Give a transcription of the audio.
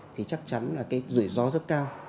thì chắc chắn là rủi ro rất cao